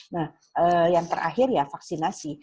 nah yang terakhir ya vaksinasi